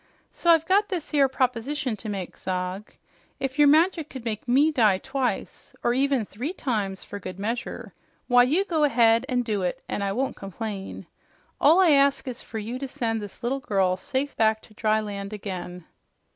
So I've got this 'ere proposition to make, Zog. If your magic could make ME die twice, or even THREE times fer good measure, why you go ahead an' do it an' I won't complain. All I ask is fer you to send this little girl safe back to dry land again."